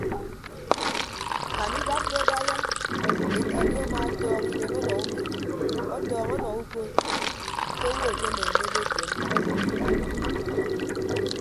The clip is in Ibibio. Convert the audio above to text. Kan idap do daiya ete emi amaatọọñ idem ọnọ umi ọtọọñ ọnọ uko nte owo akemenne ebot ye nnʌk.